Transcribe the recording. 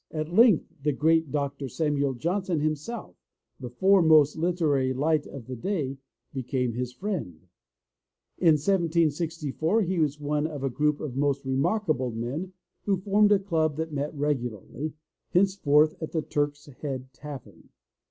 At length the great Dr. Samuel Johnson himself, the most famous literary light of the day, became his friend. In 1764 he was one of a group of most remarkable men who formed a club that met regularly, hence forth, at the Turk's Head Tavern.